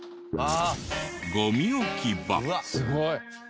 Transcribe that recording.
すごい！